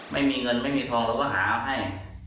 ไม่มีเงินไม่มีทองเราก็หาให้